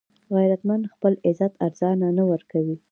غیرتمند خپل عزت ارزانه نه ورکوي